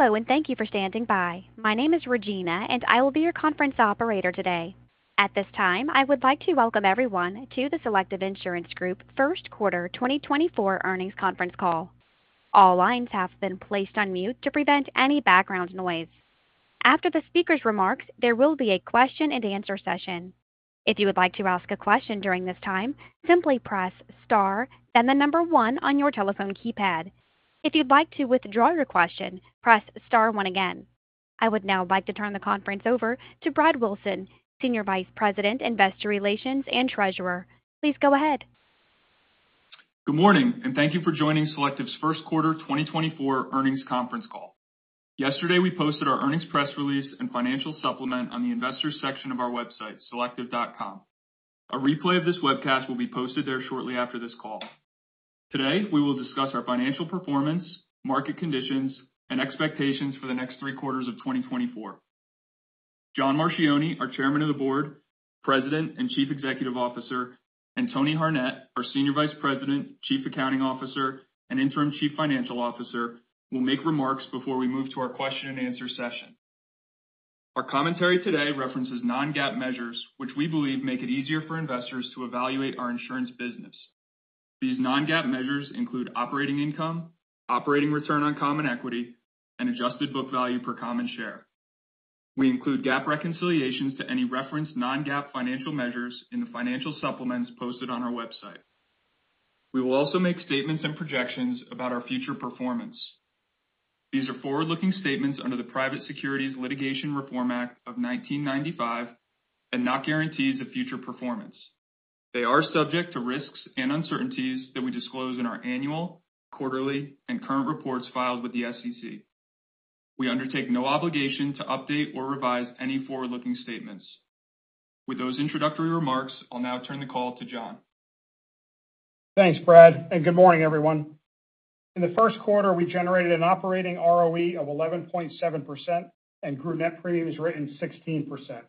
Hello and thank you for standing by. My name is Regina, and I will be your conference operator today. At this time, I would like to welcome everyone to the Selective Insurance First Quarter 2024 Earnings Conference call. All lines have been placed on mute to prevent any background noise. After the speaker's remarks, there will be a question-and-answer session. If you would like to ask a question during this time, simply press star then the number one on your telephone keypad. If you'd like to withdraw your question, press star one again. I would now like to turn the conference over to Brad Wilson, Senior Vice President, Investor Relations, and Treasurer. Please go ahead. Good morning, and thank you for joining Selective’s First Quarter 2024 Earnings Conference call. Yesterday we posted our earnings press release and financial supplement on the investors section of our website, selective.com. A replay of this webcast will be posted there shortly after this call. Today we will discuss our financial performance, market conditions, and expectations for the next three quarters of 2024. John Marchioni, our Chairman of the Board, President and Chief Executive Officer, and Tony Harnett, our Senior Vice President, Chief Accounting Officer, and Interim Chief Financial Officer, will make remarks before we move to our question-and-answer session. Our commentary today references non-GAAP measures, which we believe make it easier for investors to evaluate our insurance business. These non-GAAP measures include operating income, operating return on common equity, and adjusted book value per common share. We include GAAP reconciliations to any referenced non-GAAP financial measures in the financial supplements posted on our website. We will also make statements and projections about our future performance. These are forward-looking statements under the Private Securities Litigation Reform Act of 1995 and not guarantees of future performance. They are subject to risks and uncertainties that we disclose in our annual, quarterly, and current reports filed with the SEC. We undertake no obligation to update or revise any forward-looking statements. With those introductory remarks, I'll now turn the call to John. Thanks, Brad, and good morning, everyone. In the first quarter, we generated an operating ROE of 11.7% and grew net premiums written 16%.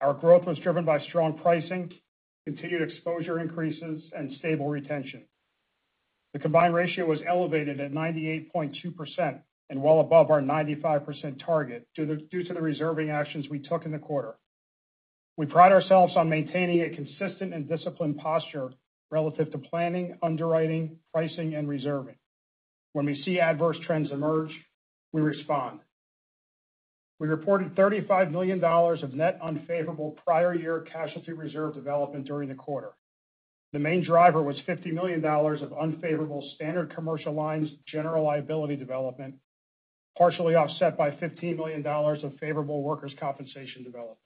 Our growth was driven by strong pricing, continued exposure increases, and stable retention. The combined ratio was elevated at 98.2% and well above our 95% target due to the reserving actions we took in the quarter. We pride ourselves on maintaining a consistent and disciplined posture relative to planning, underwriting, pricing, and reserving. When we see adverse trends emerge, we respond. We reported $35 million of net unfavorable prior-year casualty reserve development during the quarter. The main driver was $50 million of unfavorable standard commercial lines general liability development, partially offset by $15 million of favorable workers' compensation development.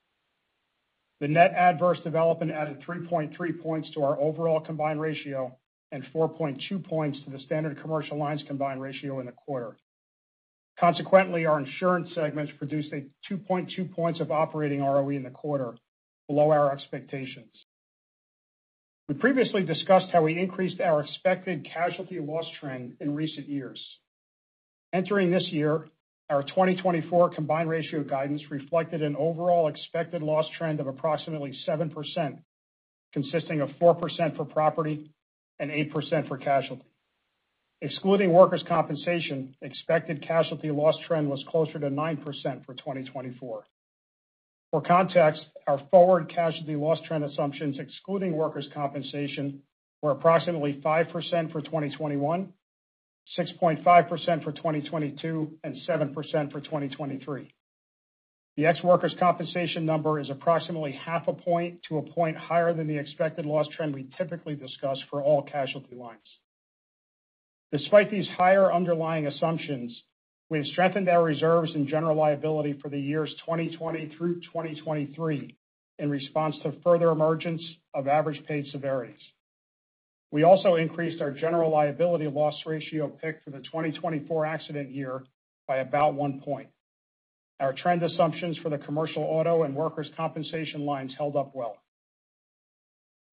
The net adverse development added 3.3 points to our overall combined ratio and 4.2 points to the standard commercial lines combined ratio in the quarter. Consequently, our insurance segments produced 2.2 points of Operating ROE in the quarter, below our expectations. We previously discussed how we increased our expected casualty loss trend in recent years. Entering this year, our 2024 combined ratio guidance reflected an overall expected loss trend of approximately 7%, consisting of 4% for property and 8% for casualty. Excluding Workers' Compensation, expected casualty loss trend was closer to 9% for 2024. For context, our forward casualty loss trend assumptions excluding Workers' Compensation were approximately 5% for 2021, 6.5% for 2022, and 7% for 2023. The ex-Workers' Compensation number is approximately 0.5 point-1 point higher than the expected loss trend we typically discuss for all casualty lines. Despite these higher underlying assumptions, we have strengthened our reserves and General Liability for the years 2020 through 2023 in response to further emergence of average paid severities. We also increased our general liability loss ratio pick for the 2024 accident year by about 1 point. Our trend assumptions for the commercial auto and workers' compensation lines held up well.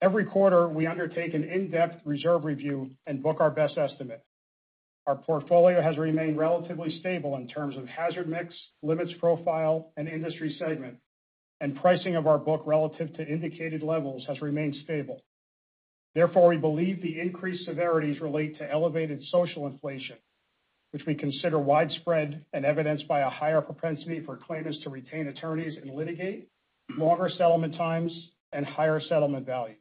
Every quarter, we undertake an in-depth reserve review and book our best estimate. Our portfolio has remained relatively stable in terms of hazard mix, limits profile, and industry segment, and pricing of our book relative to indicated levels has remained stable. Therefore, we believe the increased severities relate to elevated social inflation, which we consider widespread and evidenced by a higher propensity for claimants to retain attorneys and litigate, longer settlement times, and higher settlement values.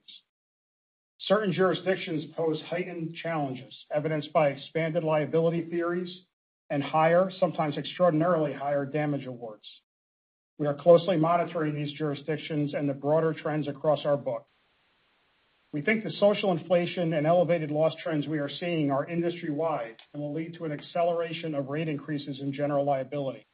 Certain jurisdictions pose heightened challenges, evidenced by expanded liability theories and higher, sometimes extraordinarily higher, damage awards. We are closely monitoring these jurisdictions and the broader trends across our book. We think the social inflation and elevated loss trends we are seeing are industry-wide and will lead to an acceleration of rate increases in general liability.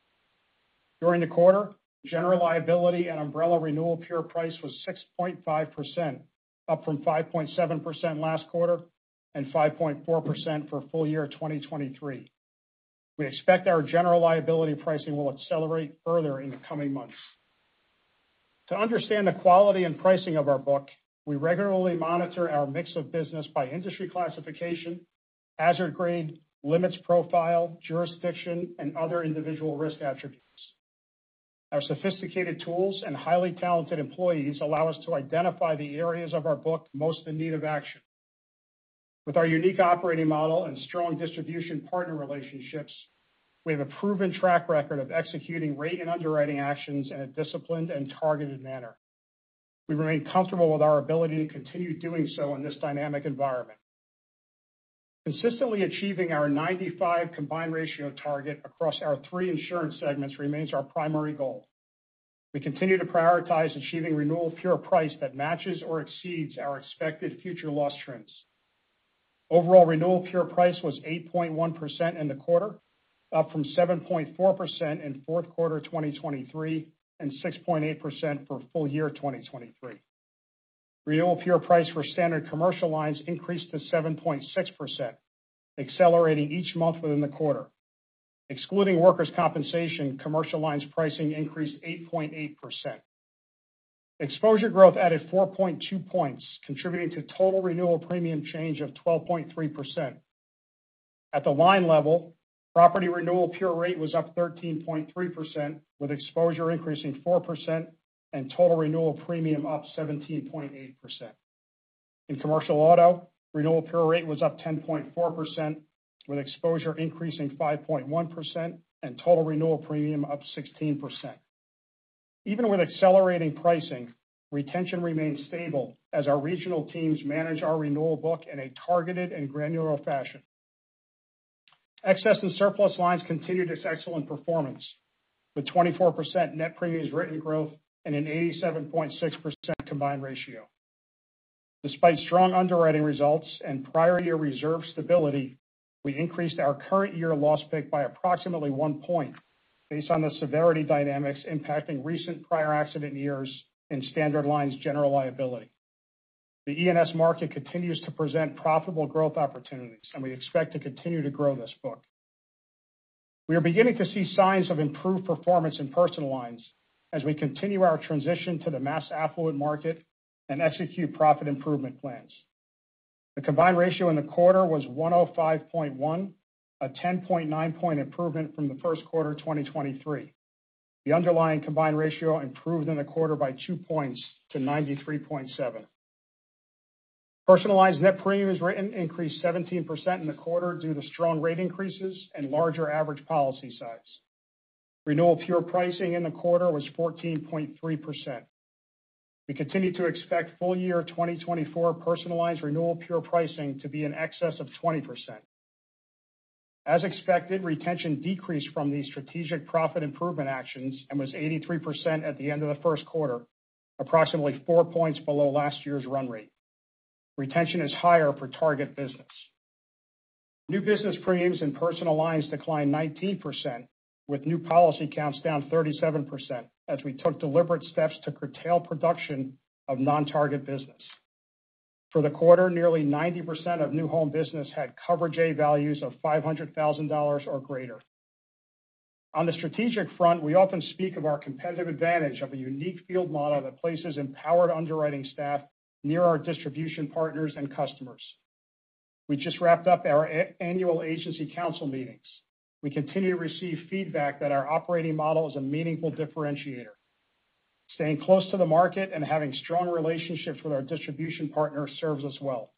During the quarter, general liability and umbrella renewal pure price was 6.5%, up from 5.7% last quarter and 5.4% for full year 2023. We expect our general liability pricing will accelerate further in the coming months. To understand the quality and pricing of our book, we regularly monitor our mix of business by industry classification, hazard grade, limits profile, jurisdiction, and other individual risk attributes. Our sophisticated tools and highly talented employees allow us to identify the areas of our book most in need of action. With our unique operating model and strong distribution partner relationships, we have a proven track record of executing rate and underwriting actions in a disciplined and targeted manner. We remain comfortable with our ability to continue doing so in this dynamic environment. Consistently achieving our 95 combined ratio target across our three insurance segments remains our primary goal. We continue to prioritize achieving renewal pure price that matches or exceeds our expected future loss trends. Overall renewal pure price was 8.1% in the quarter, up from 7.4% in fourth quarter 2023 and 6.8% for full year 2023. Renewal pure price for standard commercial lines increased to 7.6%, accelerating each month within the quarter. Excluding workers' compensation, commercial lines pricing increased 8.8%. Exposure growth added 4.2 points, contributing to total renewal premium change of 12.3%. At the line level, property renewal pure rate was up 13.3%, with exposure increasing 4% and total renewal premium up 17.8%. In commercial auto, renewal pure rate was up 10.4%, with exposure increasing 5.1% and total renewal premium up 16%. Even with accelerating pricing, retention remained stable as our regional teams manage our renewal book in a targeted and granular fashion. Excess and surplus lines continue this excellent performance, with 24% net premiums written growth and an 87.6% combined ratio. Despite strong underwriting results and prior-year reserve stability, we increased our current year loss pick by approximately 1 point based on the severity dynamics impacting recent prior accident years in standard lines general liability. The E&S market continues to present profitable growth opportunities, and we expect to continue to grow this book. We are beginning to see signs of improved performance in personal lines as we continue our transition to the mass affluent market and execute profit improvement plans. The combined ratio in the quarter was 105.1, a 10.9 point improvement from first quarter 2023. The underlying combined ratio improved in the quarter by 2 points to 93.7. Personal lines net premiums written increased 17% in the quarter due to strong rate increases and larger average policy size. Renewal pure pricing in the quarter was 14.3%. We continue to expect full year 2024 Personal lines renewal pure pricing to be in excess of 20%. As expected, retention decreased from these strategic profit improvement actions and was 83% at the end of first quarter, approximately four points below last year's run rate. Retention is higher for target business. New business premiums in Personal lines declined 19%, with new policy counts down 37% as we took deliberate steps to curtail production of non-target business. For the quarter, nearly 90% of new home business had Coverage A values of $500,000 or greater. On the strategic front, we often speak of our competitive advantage of a unique field model that places empowered underwriting staff near our distribution partners and customers. We just wrapped up our annual agency council meetings. We continue to receive feedback that our operating model is a meaningful differentiator. Staying close to the market and having strong relationships with our distribution partners serves us well.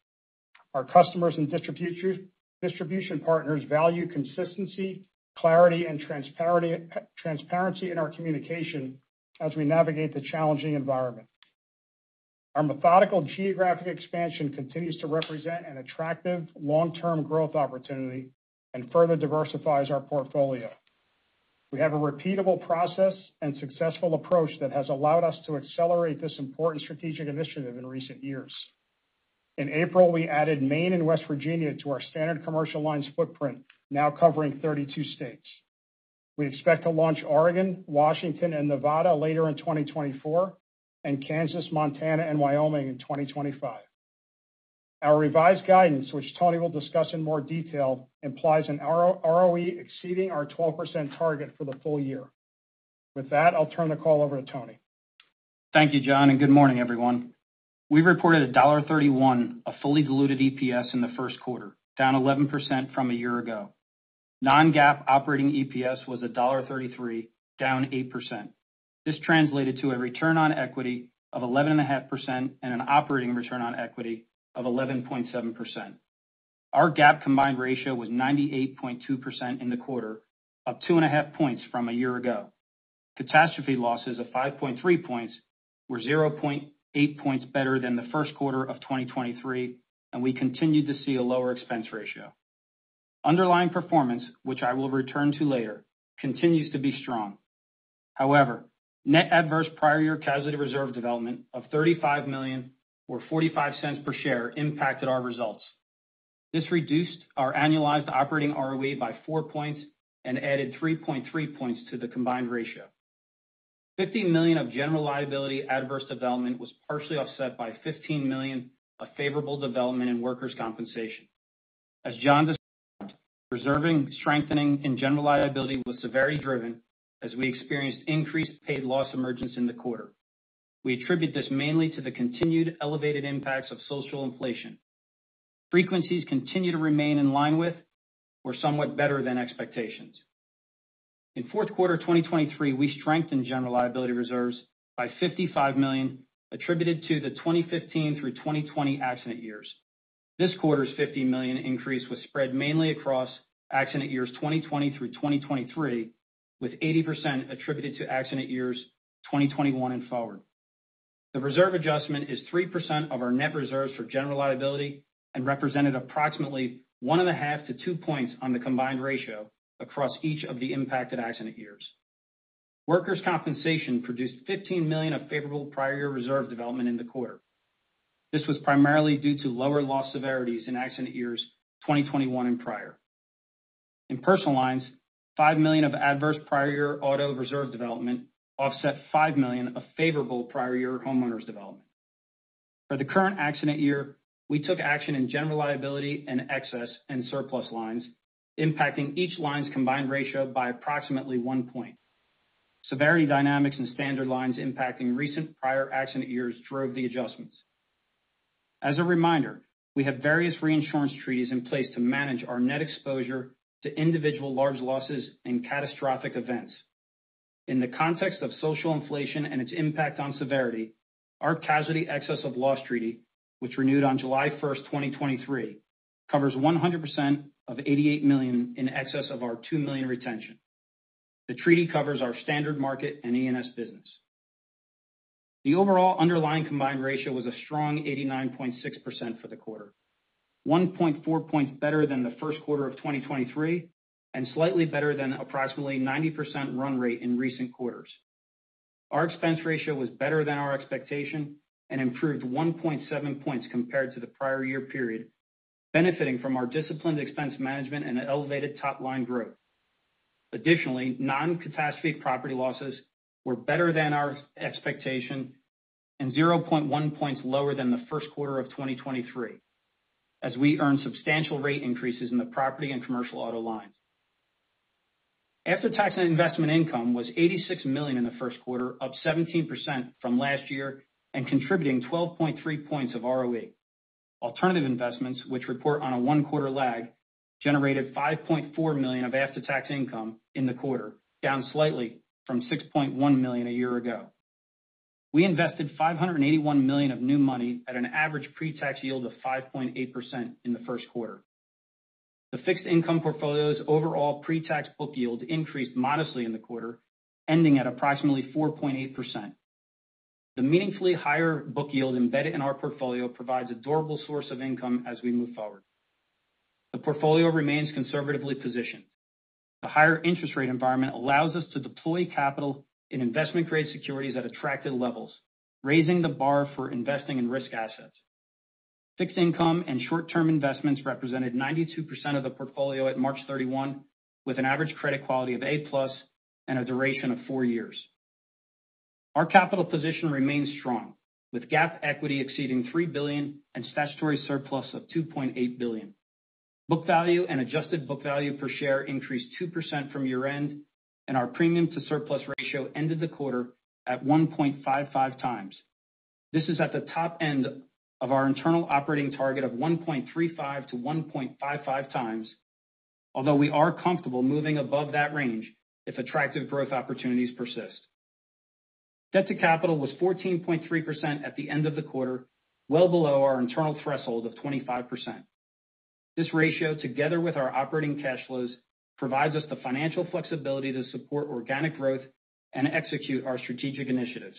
Our customers and distribution partners value consistency, clarity, and transparency in our communication as we navigate the challenging environment. Our methodical geographic expansion continues to represent an attractive long-term growth opportunity and further diversifies our portfolio. We have a repeatable process and successful approach that has allowed us to accelerate this important strategic initiative in recent years. In April, we added Maine and West Virginia to our standard commercial lines footprint, now covering 32 states. We expect to launch Oregon, Washington, and Nevada later in 2024, and Kansas, Montana, and Wyoming in 2025. Our revised guidance, which Tony will discuss in more detail, implies an ROE exceeding our 12% target for the full year. With that, I'll turn the call over to Tony. Thank you, John, and good morning, everyone. We reported $1.31 of fully diluted EPS in the first quarter, down 11% from a year ago. Non-GAAP operating EPS was $1.33, down 8%. This translated to a return on equity of 11.5% and an operating return on equity of 11.7%. Our GAAP combined ratio was 98.2% in the quarter, up 2.5 points from a year ago. Catastrophe losses of 5.3 points were 0.8 points better than first quarter of 2023, and we continued to see a lower expense ratio. Underlying performance, which I will return to later, continues to be strong. However, net adverse prior-year casualty reserve development of 35 million or $0.45 per share impacted our results. This reduced our annualized operating ROE by 4 points and added 3.3 points to the combined ratio. $50 million of general liability adverse development was partially offset by $15 million of favorable development in workers' compensation. As John described, reserving strengthening in General Liability was severity-driven as we experienced increased paid loss emergence in the quarter. We attribute this mainly to the continued elevated impacts of social inflation. Frequencies continue to remain in line with or somewhat better than expectations. In fourth quarter 2023, we strengthened General Liability reserves by $55 million attributed to the 2015 through 2020 accident years. This quarter's $50 million increase was spread mainly across accident years 2020 through 2023, with 80% attributed to accident years 2021 and forward. The reserve adjustment is 3% of our net reserves for General Liability and represented approximately 1.5-2 points on the combined ratio across each of the impacted accident years. Workers' Compensation produced $15 million of favorable prior-year reserve development in the quarter. This was primarily due to lower loss severities in accident years 2021 and prior. In personal lines, $5 million of adverse prior-year auto reserve development offset $5 million of favorable prior-year homeowners development. For the current accident year, we took action in general liability and excess and surplus lines, impacting each line's combined ratio by approximately 1 point. Severity dynamics in standard lines impacting recent prior accident years drove the adjustments. As a reminder, we have various reinsurance treaties in place to manage our net exposure to individual large losses and catastrophic events. In the context of social inflation and its impact on severity, our casualty excess of loss treaty, which renewed on July 1st, 2023, covers 100% of $88 million in excess of our $2 million retention. The treaty covers our standard market and E&S business. The overall underlying combined ratio was a strong 89.6% for the quarter, 1.4 points better than first quarter of 2023 and slightly better than approximately 90% run rate in recent quarters. Our expense ratio was better than our expectation and improved 1.7 points compared to the prior year period, benefiting from our disciplined expense management and elevated top-line growth. Additionally, non-catastrophe property losses were better than our expectation and 0.1 points lower than first quarter of 2023, as we earned substantial rate increases in the property and commercial auto lines. After-tax and investment income was $86 million in first quarter, up 17% from last year and contributing 12.3 points of ROE. Alternative investments, which report on a one-quarter lag, generated $5.4 million of after-tax income in the quarter, down slightly from $6.1 million a year ago. We invested $581 million of new money at an average pre-tax yield of 5.8% in first quarter . the fixed income portfolio's overall pre-tax book yield increased modestly in the quarter, ending at approximately 4.8%. The meaningfully higher book yield embedded in our portfolio provides a durable source of income as we move forward. The portfolio remains conservatively positioned. The higher interest rate environment allows us to deploy capital in investment-grade securities at attractive levels, raising the bar for investing in risk assets. Fixed income and short-term investments represented 92% of the portfolio at March 31, with an average credit quality of A+ and a duration of four years. Our capital position remains strong, with GAAP equity exceeding $3 billion and statutory surplus of $2.8 billion. Book value and adjusted book value per share increased 2% from year-end, and our premium to surplus ratio ended the quarter at 1.55 times. This is at the top end of our internal operating target of 1.35-1.55 times, although we are comfortable moving above that range if attractive growth opportunities persist. Debt to capital was 14.3% at the end of the quarter, well below our internal threshold of 25%. This ratio, together with our operating cash flows, provides us the financial flexibility to support organic growth and execute our strategic initiatives.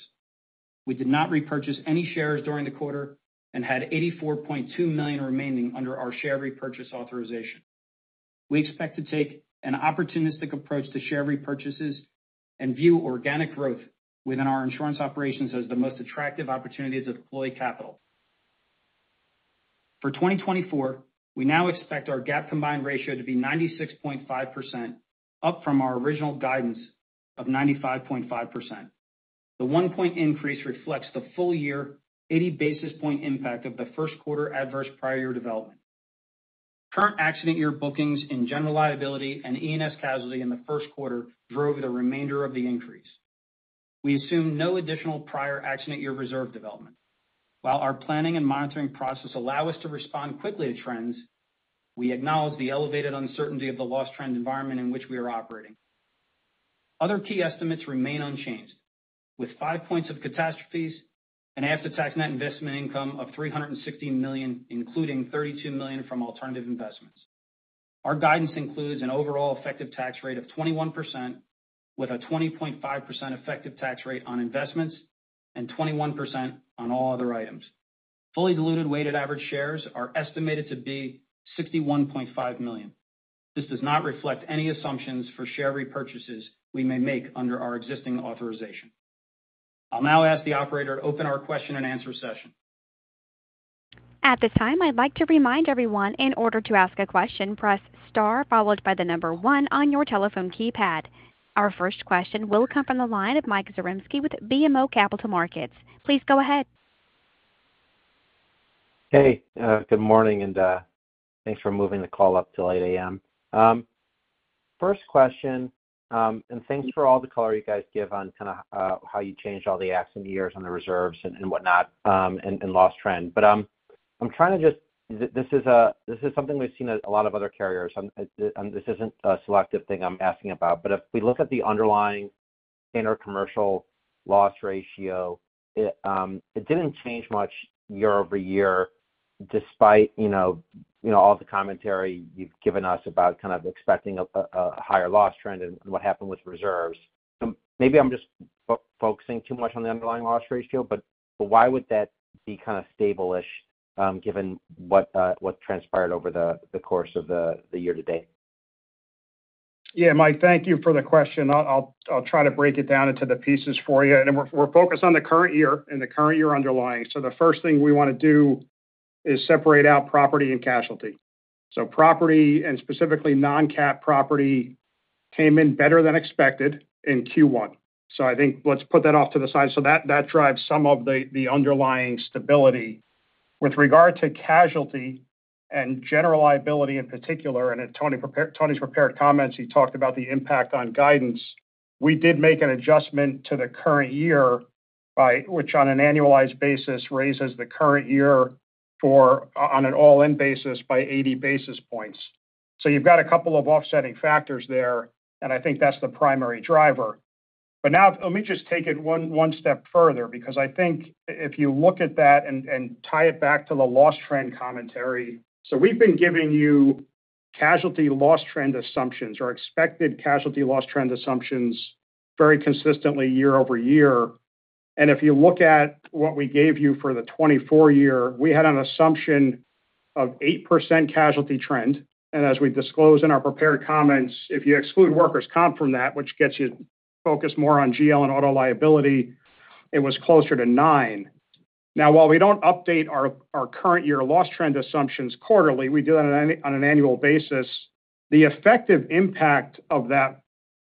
We did not repurchase any shares during the quarter and had $84.2 million remaining under our share repurchase authorization. We expect to take an opportunistic approach to share repurchases and view organic growth within our insurance operations as the most attractive opportunity to deploy capital. For 2024, we now expect our GAAP combined ratio to be 96.5%, up from our original guidance of 95.5%. The 1-point increase reflects the full year 80 basis point impact of first quarter adverse prior-year development. Current accident year bookings in General Liability and E&S casualty in the first quarter drove the remainder of the increase. We assume no additional prior accident year reserve development. While our planning and monitoring process allow us to respond quickly to trends, we acknowledge the elevated uncertainty of the loss trend environment in which we are operating. Other key estimates remain unchanged, with 5 points of catastrophes and after-tax net investment income of $360 million, including $32 million from alternative investments. Our guidance includes an overall effective tax rate of 21%, with a 20.5% effective tax rate on investments and 21% on all other items. Fully diluted weighted average shares are estimated to be 61.5 million. This does not reflect any assumptions for share repurchases we may make under our existing authorization. I'll now ask the operator to open our question-and-answer session. At this time, I'd like to remind everyone, in order to ask a question, press star followed by the number one on your telephone keypad. Our first question will come from the line of Mike Zaremski with BMO Capital Markets. Please go ahead. Hey. Good morning, and thanks for moving the call up to 8:00 A.M. First question, and thanks for all the color you guys give on kind of how you changed all the accident years and the reserves and whatnot and loss trend. But I'm trying to. This is something we've seen at a lot of other carriers. This isn't a Selective thing I'm asking about. But if we look at the underlying in the commercial loss ratio, it didn't change much year-over-year despite all the commentary you've given us about kind of expecting a higher loss trend and what happened with reserves. So maybe I'm just focusing too much on the underlying loss ratio, but why would that be kind of stable-ish given what transpired over the course of the year to date? Yeah, Mike, thank you for the question. I'll try to break it down into the pieces for you. We're focused on the current year and the current year underlying. So the first thing we want to do is separate out property and casualty. So property, and specifically non-cat property, came in better than expected in Q1. so I think let's put that off to the side. So that drives some of the underlying stability. With regard to casualty and general liability in particular, and in Tony's prepared comments, he talked about the impact on guidance. We did make an adjustment to the current year, which on an annualized basis raises the current year on an all-in basis by 80 basis points. So you've got a couple of offsetting factors there, and I think that's the primary driver. But now let me just take it one step further because I think if you look at that and tie it back to the loss trend commentary. So we've been giving you casualty loss trend assumptions or expected casualty loss trend assumptions very consistently year over year. And if you look at what we gave you for the 2024 year, we had an assumption of 8% casualty trend. And as we disclose in our prepared comments, if you exclude workers' comp from that, which gets you to focus more on GL and auto liability, it was closer to 9. Now, while we don't update our current year loss trend assumptions quarterly - we do that on an annual basis - the effective impact of that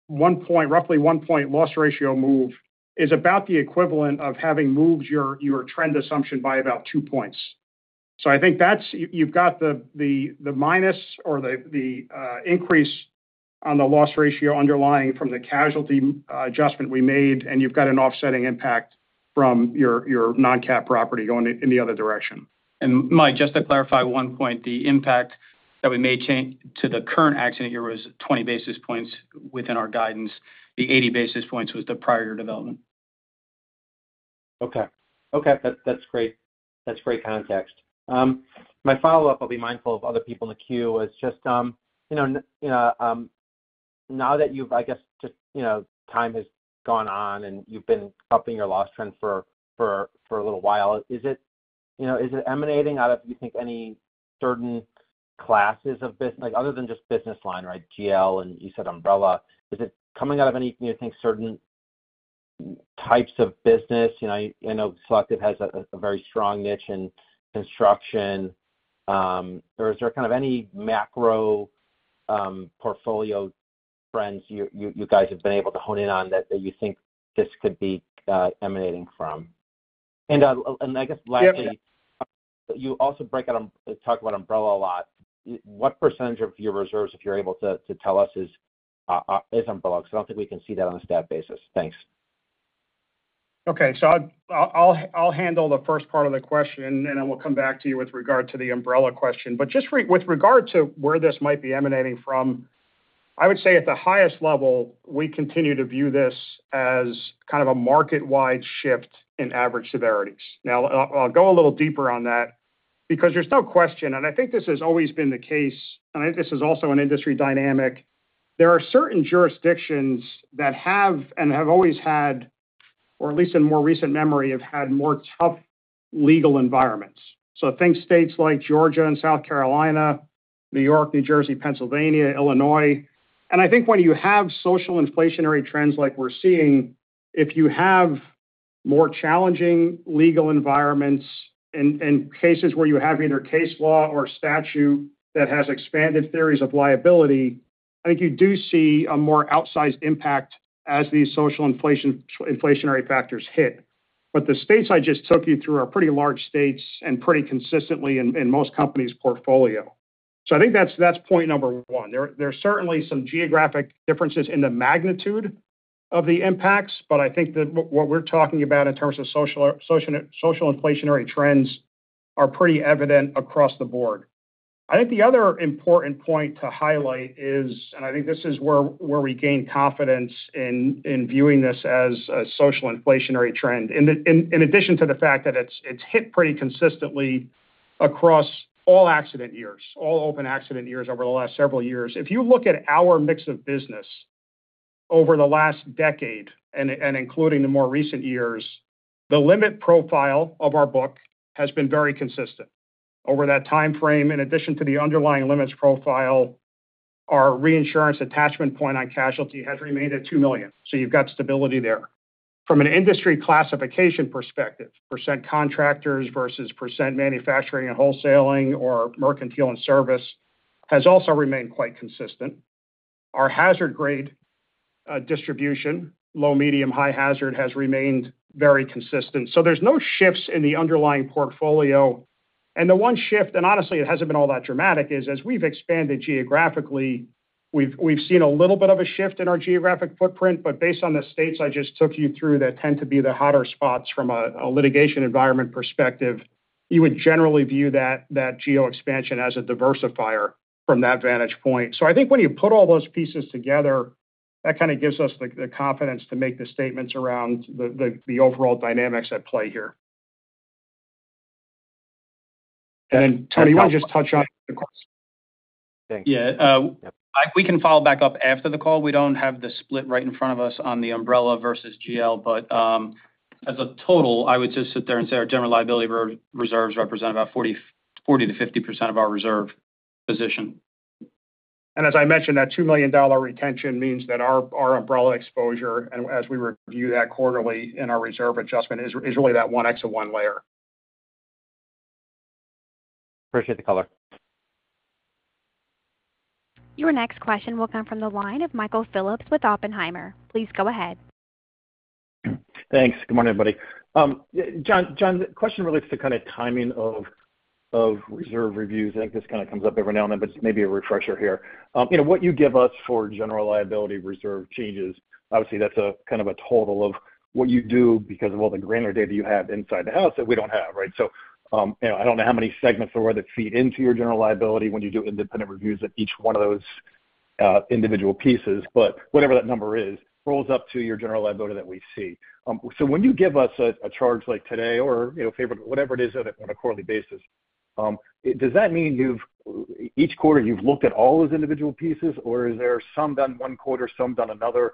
roughly 1-point loss ratio move is about the equivalent of having moved your trend assumption by about 2 points. So I think you've got the minus or the increase on the loss ratio underlying from the casualty adjustment we made, and you've got an offsetting impact from your non-cap property going in the other direction. Mike, just to clarify one point, the impact that we made to the current accident year was 20 basis points within our guidance. The 80 basis points was the prior year development. Okay. Okay. That's great. That's great context. My follow-up, I'll be mindful of other people in the queue, was just now that you've I guess just time has gone on and you've been upping your loss trend for a little while, is it emanating out of, do you think, any certain classes of other than just business line, right? GL and you said umbrella. Is it coming out of any, do you think, certain types of business? I know Selective has a very strong niche in construction. Or is there kind of any macro portfolio trends you guys have been able to hone in on that you think this could be emanating from? And I guess lastly, you also talk about umbrella a lot. What percentage of your reserves, if you're able to tell us, is umbrella? Because I don't think we can see that on a stat basis. Thanks. Okay. So I'll handle the first part of the question, and then we'll come back to you with regard to the umbrella question. But just with regard to where this might be emanating from, I would say at the highest level, we continue to view this as kind of a market-wide shift in average severities. Now, I'll go a little deeper on that because there's no question. And I think this has always been the case, and I think this is also an industry dynamic. There are certain jurisdictions that have and have always had, or at least in more recent memory, have had more tough legal environments. So think states like Georgia and South Carolina, New York, New Jersey, Pennsylvania, Illinois. I think when you have social inflationary trends like we're seeing, if you have more challenging legal environments and cases where you have either case law or statute that has expanded theories of liability, I think you do see a more outsized impact as these social inflationary factors hit. The states I just took you through are pretty large states and pretty consistently in most companies' portfolio. I think that's point number one. There are certainly some geographic differences in the magnitude of the impacts, but I think that what we're talking about in terms of social inflationary trends are pretty evident across the board. I think the other important point to highlight is, and I think this is where we gain confidence in viewing this as a social inflationary trend, in addition to the fact that it's hit pretty consistently across all accident years, all open accident years over the last several years. If you look at our mix of business over the last decade and including the more recent years, the limits profile of our book has been very consistent over that time frame. In addition to the underlying limits profile, our reinsurance attachment point on casualty has remained at $2 million. So you've got stability there. From an industry classification perspective, % contractors versus % manufacturing and wholesaling or mercantile and service has also remained quite consistent. Our hazard grade distribution, low, medium, high hazard, has remained very consistent. So there's no shifts in the underlying portfolio. The one shift - and honestly, it hasn't been all that dramatic - is as we've expanded geographically, we've seen a little bit of a shift in our geographic footprint. But based on the states I just took you through that tend to be the hotter spots from a litigation environment perspective, you would generally view that geoexpansion as a diversifier from that vantage point. So I think when you put all those pieces together, that kind of gives us the confidence to make the statements around the overall dynamics at play here. And then, Tony, you want to just touch on the question? Thanks. Yeah. Mike, we can follow back up after the call. We don't have the split right in front of us on the Umbrella versus GL. But as a total, I would just sit there and say our General Liability reserves represent about 40%-50% of our reserve position. As I mentioned, that $2 million retention means that our umbrella exposure, and as we review that quarterly in our reserve adjustment, is really that 1x to 1 layer. Appreciate the color. Your next question will come from the line of Michael Phillips with Oppenheimer. Please go ahead. Thanks. Good morning, everybody. John, the question relates to kind of timing of reserve reviews. I think this kind of comes up every now and then, but just maybe a refresher here. What you give us for general liability reserve changes, obviously, that's kind of a total of what you do because of all the granular data you have inside the house that we don't have, right? So I don't know how many segments there were that feed into your general liability when you do independent reviews at each one of those individual pieces. But whatever that number is, rolls up to your general liability that we see. So when you give us a charge like today or whatever it is on a quarterly basis, does that mean each quarter you've looked at all those individual pieces, or is there some done one quarter, some done another?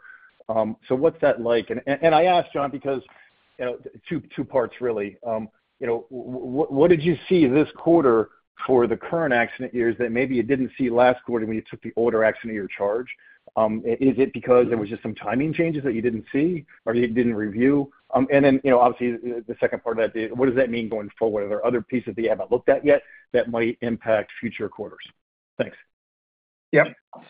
So what's that like? And I asked, John, because two parts, really. What did you see this quarter for the current accident years that maybe you didn't see last quarter when you took the older accident year charge? Is it because there were just some timing changes that you didn't see, or you didn't review? And then, obviously, the second part of that, what does that mean going forward? Are there other pieces that you haven't looked at yet that might impact future quarters? Thanks. Yep.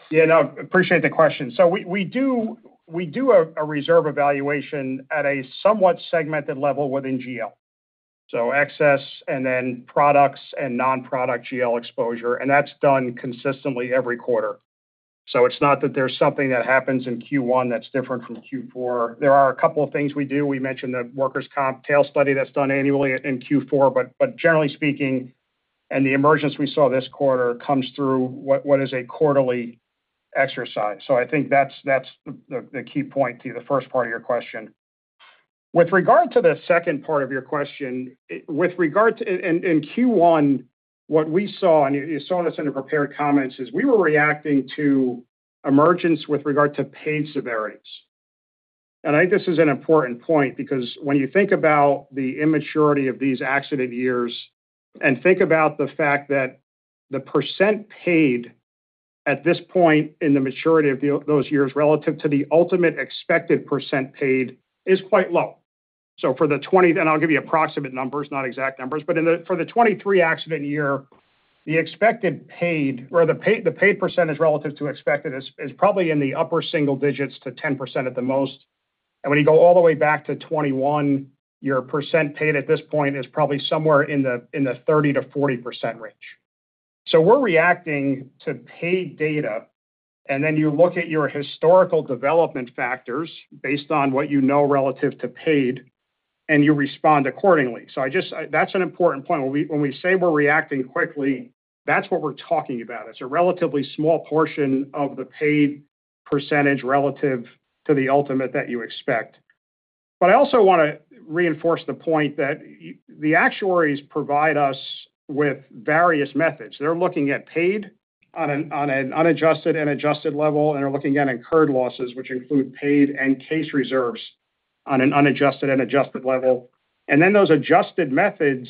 Yeah. No, I appreciate the question. So we do a reserve evaluation at a somewhat segmented level within GL. So excess and then products and non-product GL exposure. And that's done consistently every quarter. So it's not that there's something that happens in Q1 that's different Q4. there are a couple of things we do. We mentioned the workers' comp tail study that's done annually in Q4 but generally speaking, and the emergence we saw this quarter comes through what is a quarterly exercise. So I think that's the key point to the first part of your question. With regard to the second part of your question, Q1, what we saw - and you saw this in the prepared comments - is we were reacting to emergence with regard to paid severities. I think this is an important point because when you think about the immaturity of these accident years and think about the fact that the percent paid at this point in the maturity of those years relative to the ultimate expected percent paid is quite low. So for the 2020 and I'll give you approximate numbers, not exact numbers. But for the 2023 accident year, the expected paid or the paid percentage relative to expected is probably in the upper single digits to 10% at the most. And when you go all the way back to 2021, your percent paid at this point is probably somewhere in the 30%-40% range. So we're reacting to paid data. And then you look at your historical development factors based on what you know relative to paid, and you respond accordingly. So that's an important point. When we say we're reacting quickly, that's what we're talking about. It's a relatively small portion of the paid percentage relative to the ultimate that you expect. But I also want to reinforce the point that the actuaries provide us with various methods. They're looking at paid on an unadjusted and adjusted level, and they're looking at incurred losses, which include paid and case reserves on an unadjusted and adjusted level. And then those adjusted methods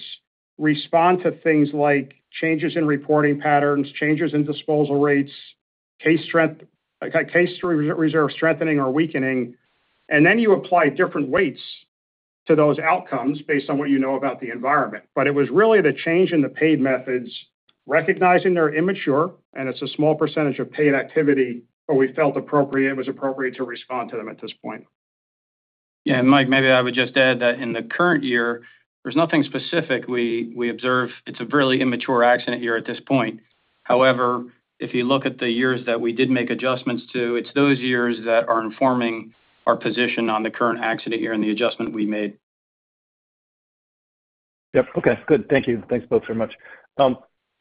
respond to things like changes in reporting patterns, changes in disposal rates, case reserve strengthening or weakening. And then you apply different weights to those outcomes based on what you know about the environment. But it was really the change in the paid methods recognizing they're immature, and it's a small percentage of paid activity, but we felt it was appropriate to respond to them at this point. Yeah. And Mike, maybe I would just add that in the current year, there's nothing specific we observe. It's a really immature accident year at this point. However, if you look at the years that we did make adjustments to, it's those years that are informing our position on the current accident year and the adjustment we made. Yep. Okay. Good. Thank you. Thanks both very much.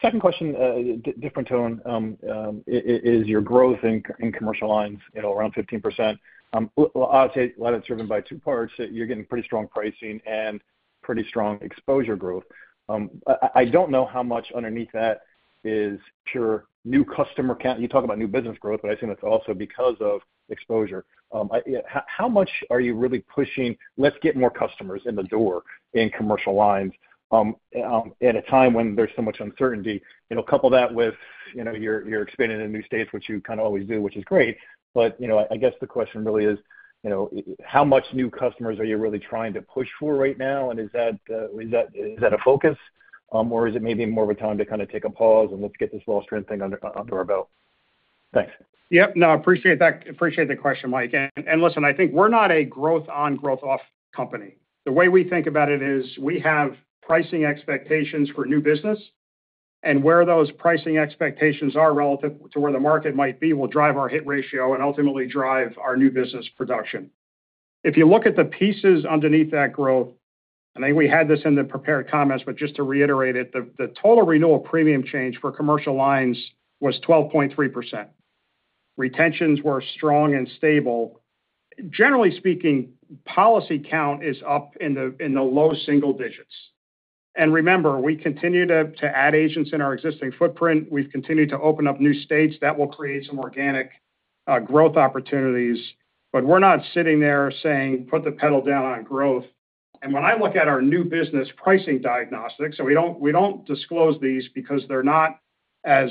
Second question, different tone, is your growth in commercial lines around 15%? I'll say a lot of it's driven by two parts. You're getting pretty strong pricing and pretty strong exposure growth. I don't know how much underneath that is pure new customer count you talk about new business growth, but I assume it's also because of exposure. How much are you really pushing, "Let's get more customers in the door in commercial lines at a time when there's so much uncertainty?" Couple that with you're expanding into new states, which you kind of always do, which is great. But I guess the question really is, how much new customers are you really trying to push for right now? Is that a focus, or is it maybe more of a time to kind of take a pause and let's get this loss trend thing under our belt? Thanks. Yep. No, I appreciate that. Appreciate the question, Mike. And listen, I think we're not a growth-on, growth-off company. The way we think about it is we have pricing expectations for new business. And where those pricing expectations are relative to where the market might be will drive our hit ratio and ultimately drive our new business production. If you look at the pieces underneath that growth - and I think we had this in the prepared comments, but just to reiterate it - the total renewal premium change for commercial lines was 12.3%. Retentions were strong and stable. Generally speaking, policy count is up in the low single digits. And remember, we continue to add agents in our existing footprint. We've continued to open up new states. That will create some organic growth opportunities. We're not sitting there saying, "Put the pedal down on growth." When I look at our new business pricing diagnostics, and we don't disclose these because they're not as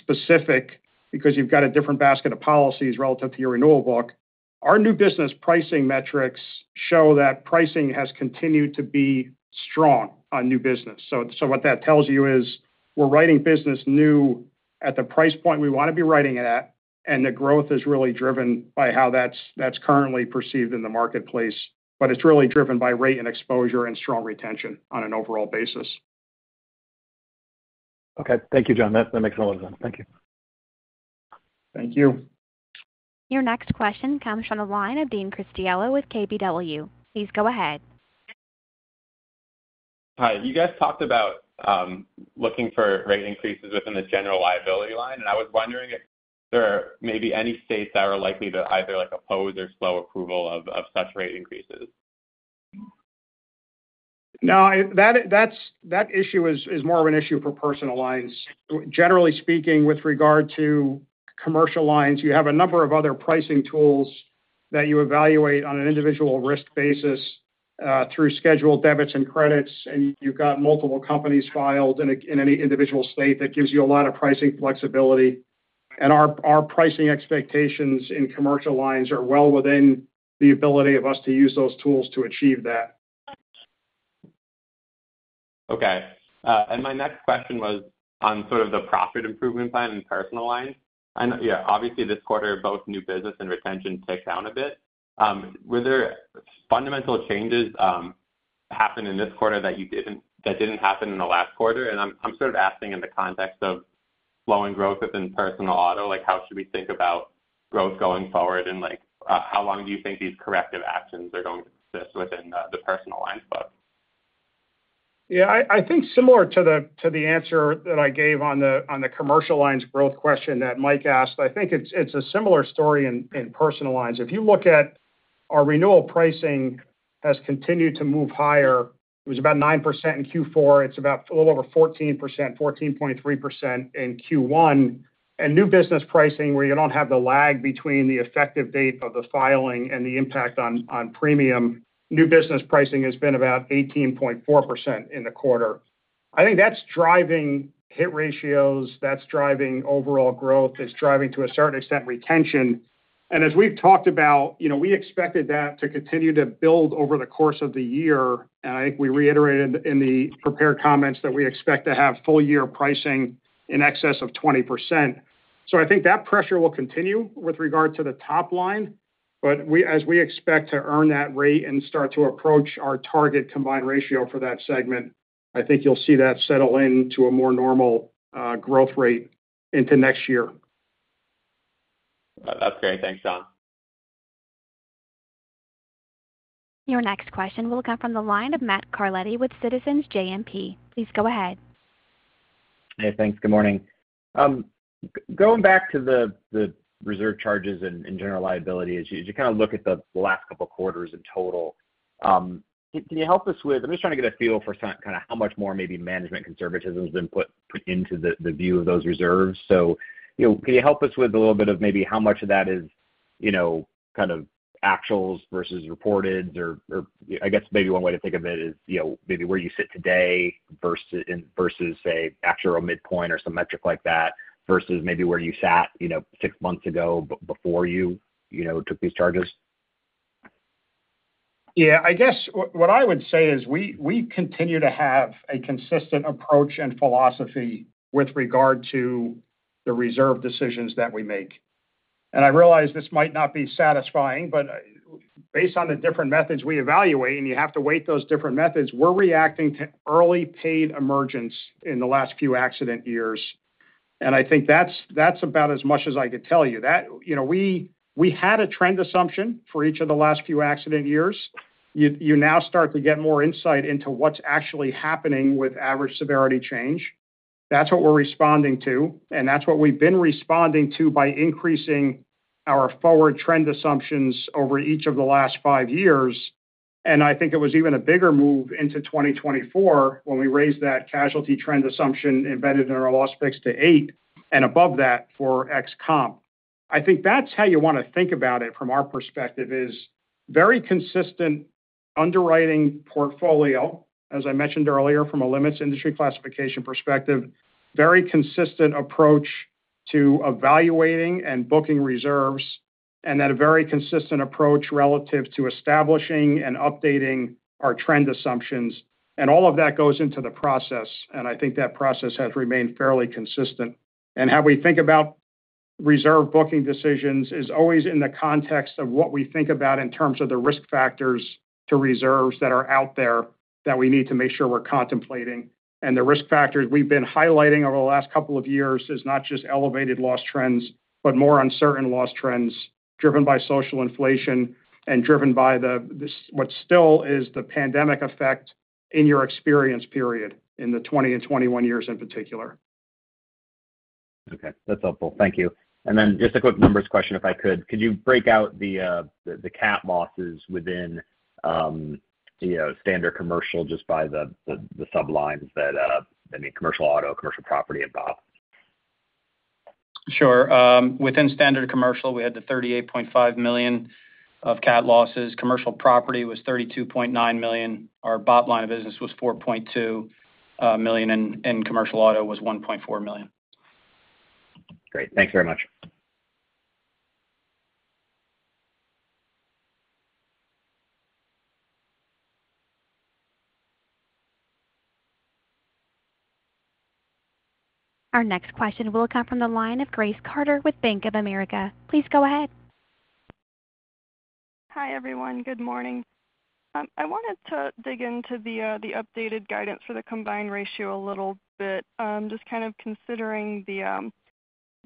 specific because you've got a different basket of policies relative to your renewal book, our new business pricing metrics show that pricing has continued to be strong on new business. What that tells you is we're writing business new at the price point we want to be writing it at. The growth is really driven by how that's currently perceived in the marketplace. It's really driven by rate and exposure and strong retention on an overall basis. Okay. Thank you, John. That makes a lot of sense. Thank you. Thank you. Your next question comes from the line of Dean Criscitiello with KBW. Please go ahead. Hi. You guys talked about looking for rate increases within the general liability line. I was wondering if there are maybe any states that are likely to either oppose or slow approval of such rate increases. No, that issue is more of an issue for personal lines. Generally speaking, with regard to commercial lines, you have a number of other pricing tools that you evaluate on an individual risk basis through scheduled debits and credits. And you've got multiple companies filed in any individual state. That gives you a lot of pricing flexibility. And our pricing expectations in commercial lines are well within the ability of us to use those tools to achieve that. Okay. And my next question was on sort of the profit improvement plan in personal lines. Yeah, obviously, this quarter, both new business and retention ticked down a bit. Were there fundamental changes happen in this quarter that didn't happen in the last quarter? And I'm sort of asking in the context of slowing growth within personal auto, how should we think about growth going forward? And how long do you think these corrective actions are going to persist within the personal lines book? Yeah. I think similar to the answer that I gave on the commercial lines growth question that Mike asked, I think it's a similar story in personal lines. If you look at our renewal pricing has continued to move higher. It was about 9% in Q4 it's about a little over 14%, 14.3% in Q1 and new business pricing, where you don't have the lag between the effective date of the filing and the impact on premium, new business pricing has been about 18.4% in the quarter. I think that's driving hit ratios. That's driving overall growth. It's driving, to a certain extent, retention. And as we've talked about, we expected that to continue to build over the course of the year. And I think we reiterated in the prepared comments that we expect to have full-year pricing in excess of 20%. So I think that pressure will continue with regard to the top line. But as we expect to earn that rate and start to approach our target combined ratio for that segment, I think you'll see that settle into a more normal growth rate into next year. That's great. Thanks, John. Your next question will come from the line of Matt Carletti with Citizens JMP. Please go ahead. Hey. Thanks. Good morning. Going back to the reserve charges and General Liability, as you kind of look at the last couple of quarters in total, can you help us? I'm just trying to get a feel for kind of how much more maybe management conservatism has been put into the view of those reserves. So can you help us with a little bit of maybe how much of that is kind of actuals versus reported? Or I guess maybe one way to think of it is maybe where you sit today versus, say, actual midpoint or some metric like that versus maybe where you sat six months ago before you took these charges? Yeah. I guess what I would say is we continue to have a consistent approach and philosophy with regard to the reserve decisions that we make. I realize this might not be satisfying, but based on the different methods we evaluate - and you have to weigh those different methods - we're reacting to early paid emergence in the last few accident years. I think that's about as much as I could tell you. We had a trend assumption for each of the last few accident years. You now start to get more insight into what's actually happening with average severity change. That's what we're responding to. That's what we've been responding to by increasing our forward trend assumptions over each of the last five years. And I think it was even a bigger move into 2024 when we raised that casualty trend assumption embedded in our loss picks to eight and above that for WC. I think that's how you want to think about it from our perspective, is very consistent underwriting portfolio, as I mentioned earlier, from a limits industry classification perspective, very consistent approach to evaluating and booking reserves, and then a very consistent approach relative to establishing and updating our trend assumptions. And all of that goes into the process. And I think that process has remained fairly consistent. And how we think about reserve booking decisions is always in the context of what we think about in terms of the risk factors to reserves that are out there that we need to make sure we're contemplating. The risk factors we've been highlighting over the last couple of years is not just elevated loss trends but more uncertain loss trends driven by social inflation and driven by what still is the pandemic effect in your experience period in the 2020 and 2021 years in particular. Okay. That's helpful. Thank you. And then just a quick numbers question, if I could. Could you break out the cat losses within standard commercial just by the sublines? I mean, commercial auto, commercial property, and BOP. Sure. Within Standard Commercial, we had the $38.5 million of cat losses. Commercial Property was $32.9 million. Our BOP line of business was $4.2 million, and Commercial Auto was $1.4 million. Great. Thanks very much. Our next question will come from the line of Grace Carter with Bank of America. Please go ahead. Hi, everyone. Good morning. I wanted to dig into the updated guidance for the combined ratio a little bit, just kind of considering the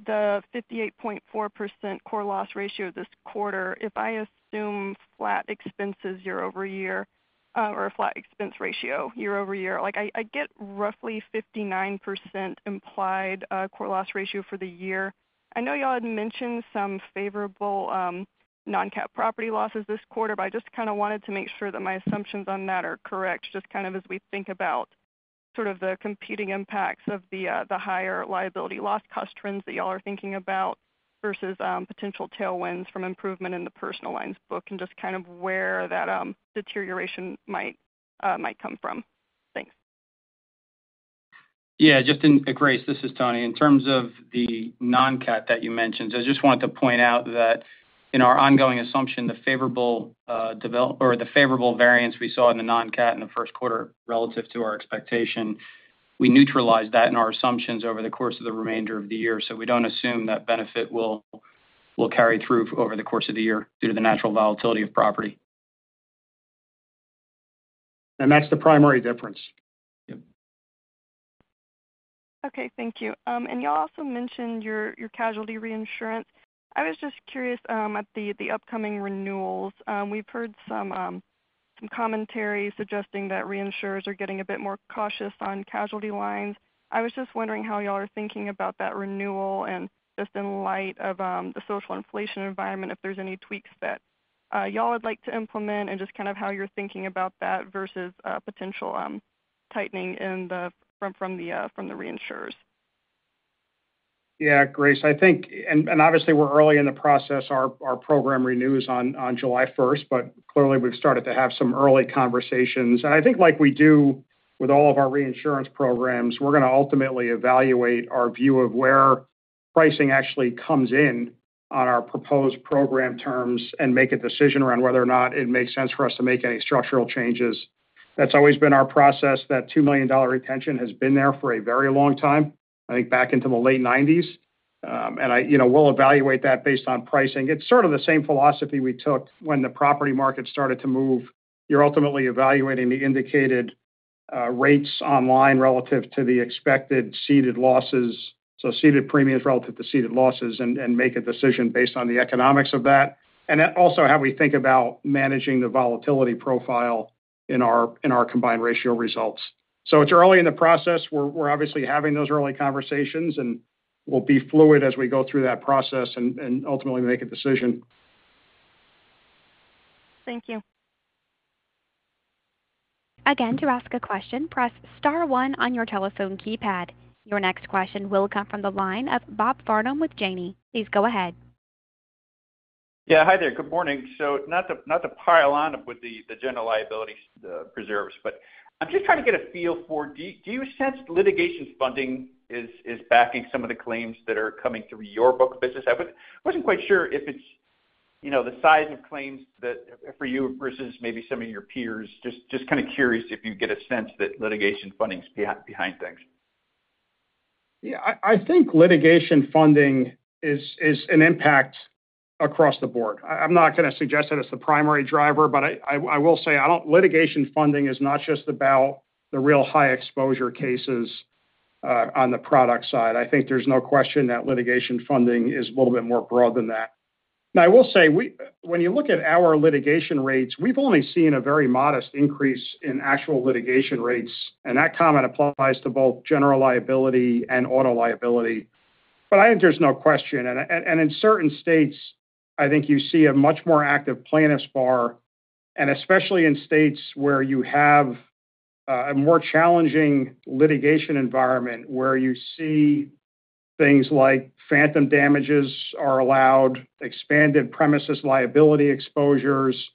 58.4% core loss ratio this quarter. If I assume flat expenses year-over-year or a flat expense ratio year-over-year, I get roughly 59% implied core loss ratio for the year. I know y'all had mentioned some favorable non-cat property losses this quarter, but I just kind of wanted to make sure that my assumptions on that are correct just kind of as we think about sort of the competing impacts of the higher liability loss cost trends that y'all are thinking about versus potential tailwinds from improvement in the Personal Lines book and just kind of where that deterioration might come from. Thanks. Yeah. Grace, this is Tony. In terms of the non-cat that you mentioned, I just wanted to point out that in our ongoing assumption, the favorable or the favorable variance we saw in the non-cat in first quarter relative to our expectation, we neutralized that in our assumptions over the course of the remainder of the year. So we don't assume that benefit will carry through over the course of the year due to the natural volatility of property. That's the primary difference. Yep. Okay. Thank you. And y'all also mentioned your casualty reinsurance. I was just curious at the upcoming renewals. We've heard some commentary suggesting that reinsurers are getting a bit more cautious on casualty lines. I was just wondering how y'all are thinking about that renewal and just in light of the social inflation environment, if there's any tweaks that y'all would like to implement and just kind of how you're thinking about that versus potential tightening from the reinsurers? Yeah, Grace. Obviously, we're early in the process. Our program renews on July 1st. Clearly, we've started to have some early conversations. I think like we do with all of our reinsurance programs, we're going to ultimately evaluate our view of where pricing actually comes in on our proposed program terms and make a decision around whether or not it makes sense for us to make any structural changes. That's always been our process. That $2 million retention has been there for a very long time, I think back into the late 1990s. We'll evaluate that based on pricing. It's sort of the same philosophy we took when the property market started to move. You're ultimately evaluating the indicated rates online relative to the expected seeded losses, so seeded premiums relative to seeded losses, and make a decision based on the economics of that and also how we think about managing the volatility profile in our combined ratio results. So it's early in the process. We're obviously having those early conversations. We'll be fluid as we go through that process and ultimately make a decision. Thank you. Again, to ask a question, press star one on your telephone keypad. Your next question will come from the line of Bob Farnam with Janney. Please go ahead. Yeah. Hi there. Good morning. So not to pile on with the general liability reserves, but I'm just trying to get a feel for do you sense litigation funding is backing some of the claims that are coming through your book of business? I wasn't quite sure if it's the size of claims for you versus maybe some of your peers. Just kind of curious if you get a sense that litigation funding's behind things. Yeah. I think litigation funding is an impact across the board. I'm not going to suggest that it's the primary driver. But I will say litigation funding is not just about the real high-exposure cases on the product side. I think there's no question that litigation funding is a little bit more broad than that. Now, I will say when you look at our litigation rates, we've only seen a very modest increase in actual litigation rates. And that comment applies to both general liability and auto liability. But I think there's no question. And in certain states, I think you see a much more active plaintiffs bar, and especially in states where you have a more challenging litigation environment where you see things like phantom damages are allowed, expanded premises liability exposures,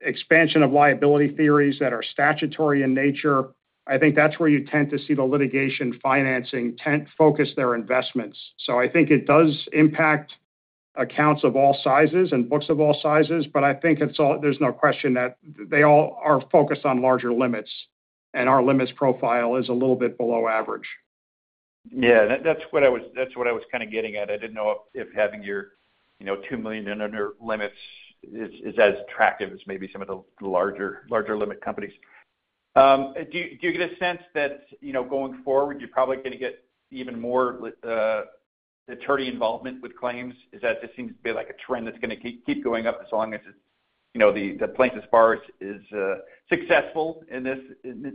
expansion of liability theories that are statutory in nature. I think that's where you tend to see the litigation financing focus their investments. So I think it does impact accounts of all sizes and books of all sizes. But I think there's no question that they all are focused on larger limits. And our limits profile is a little bit below average. Yeah. That's what I was, that's what I was kind of getting at. I didn't know if having your 2 million in under limits is as attractive as maybe some of the larger limit companies. Do you get a sense that going forward, you're probably going to get even more attorney involvement with claims? Is that just seems to be a trend that's going to keep going up as long as the plaintiffs bar is successful in this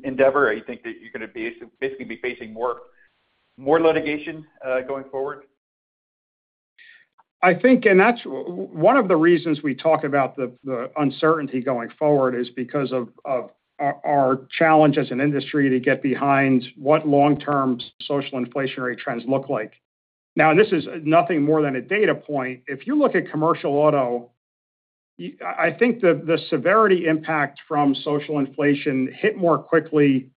endeavor? Or do you think that you're going to basically be facing more litigation going forward? I think one of the reasons we talk about the uncertainty going forward is because of our challenge as an industry to get behind what long-term social inflationary trends look like. Now, and this is nothing more than a data point. If you look at Commercial Auto, I think the severity impact from social inflation hit more quickly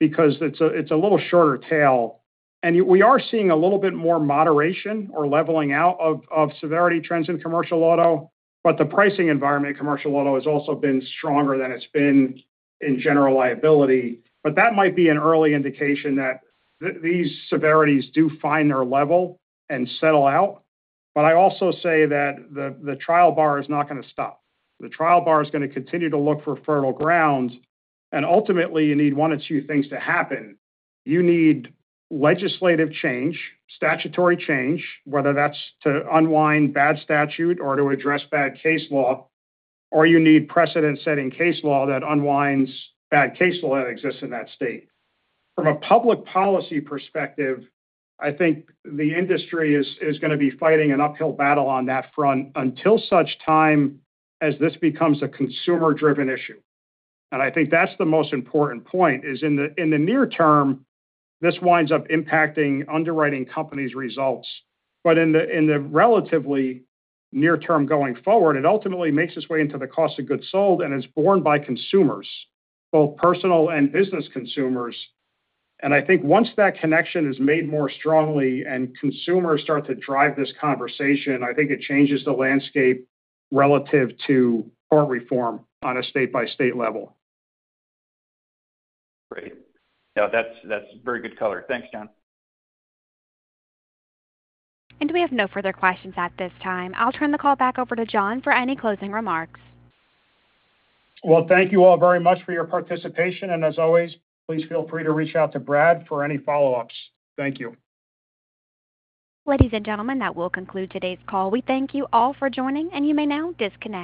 because it's a little shorter tail. We are seeing a little bit more moderation or leveling out of severity trends in Commercial Auto. The pricing environment in Commercial Auto has also been stronger than it's been in General Liability. That might be an early indication that these severities do find their level and settle out. I also say that the trial bar is not going to stop. The trial bar is going to continue to look for fertile grounds. Ultimately, you need one or two things to happen. You need legislative change, statutory change, whether that's to unwind bad statute or to address bad case law, or you need precedent-setting case law that unwinds bad case law that exists in that state. From a public policy perspective, I think the industry is going to be fighting an uphill battle on that front until such time as this becomes a consumer-driven issue. And I think that's the most important point, is in the near term, this winds up impacting underwriting companies' results. But in the relatively near term going forward, it ultimately makes its way into the cost of goods sold. And it's borne by consumers, both personal and business consumers. I think once that connection is made more strongly and consumers start to drive this conversation, I think it changes the landscape relative to court reform on a state-by-state level. Great. Yeah. That's very good color. Thanks, John. We have no further questions at this time. I'll turn the call back over to John for any closing remarks. Well, thank you all very much for your participation. As always, please feel free to reach out to Brad for any follow-ups. Thank you. Ladies and gentlemen, that will conclude today's call. We thank you all for joining. You may now disconnect.